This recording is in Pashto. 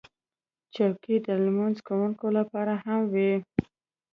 چوکۍ د لمونځ کوونکو لپاره هم وي.